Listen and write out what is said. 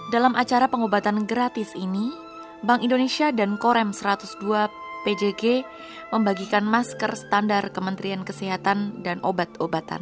dalam acara pengobatan gratis ini bank indonesia dan korem satu ratus dua pjg membagikan masker standar kementerian kesehatan dan obat obatan